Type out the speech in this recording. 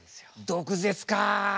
毒舌か。